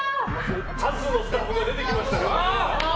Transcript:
發のスタッフが出てきましたよ。